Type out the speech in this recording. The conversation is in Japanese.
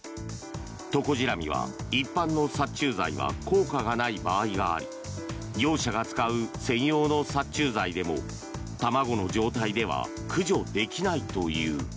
トコジラミは、一般の殺虫剤は効果がない場合があり業者が使う専用の殺虫剤でも卵の状態では駆除できないという。